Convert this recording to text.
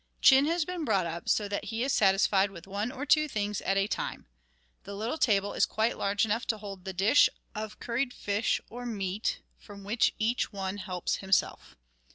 Chin has been brought up so that he is satisfied with one or two things at a time. The little table is quite large enough to hold the dish of curried fish or meat from which each one helps himself.